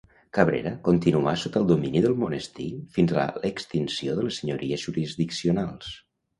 Cabrera continuà sota el domini del monestir fins a l'extinció de les senyories jurisdiccionals.